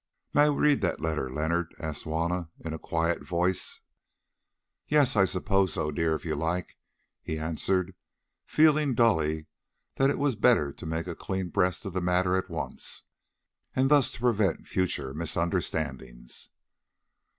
"May I read that letter, Leonard?" asked Juanna in a quiet voice. "Yes, I suppose so, dear, if you like," he answered, feeling dully that it was better to make a clean breast of the matter at once, and thus to prevent future misunderstandings.